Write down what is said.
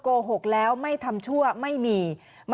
คุณสิริกัญญาบอกว่า๖๔เสียง